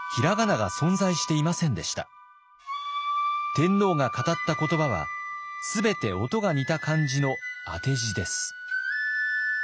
天皇が語った言葉は全て音が似た漢字の当て字です。